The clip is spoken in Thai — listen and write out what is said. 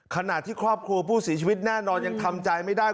ขณะที่ครอบครัวผู้เสียชีวิตแน่นอนยังทำใจไม่ได้